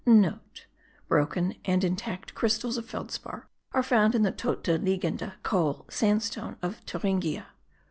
*(* Broken and intact crystals of feldspar are found in the todte liegende coal sandstone of Thuringia.